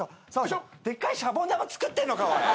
でっかいシャボン玉作ってんのかおい！